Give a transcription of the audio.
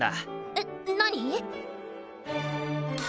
えっ何？